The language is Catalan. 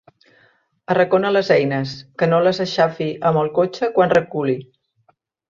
Arracona les eines, que no les aixafi amb el cotxe quan reculi.